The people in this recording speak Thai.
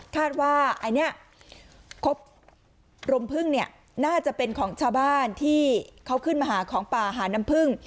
ว่าอันนี้ครบรมพึ่งเนี่ยน่าจะเป็นของชาวบ้านที่เขาขึ้นมาหาของป่าหาน้ำพึ่ง